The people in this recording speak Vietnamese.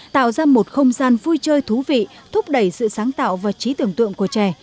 tạo ra một không gian vui chơi thú vị thúc đẩy sự sáng tạo và trí tưởng tượng của trẻ